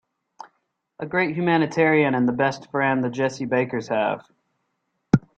A great humanitarian and the best friend the Jessie Bakers have.